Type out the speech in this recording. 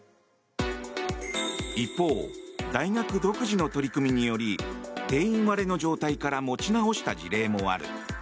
一方、大学独自の取り組みにより定員割れの状態から持ち直した事例もある。